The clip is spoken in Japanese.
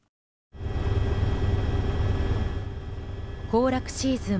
行楽シーズン